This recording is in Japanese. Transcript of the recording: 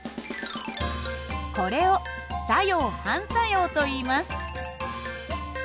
これを作用・反作用といいます。